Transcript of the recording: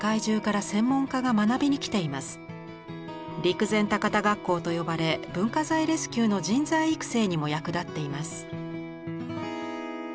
「陸前高田学校」と呼ばれ文化財レスキューの人材育成にも役立っています。